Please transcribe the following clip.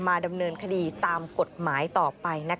ดำเนินคดีตามกฎหมายต่อไป